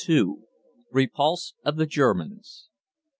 REPULSE OF THE GERMANS.